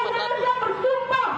baru dibayar rp seratus rp lima ratus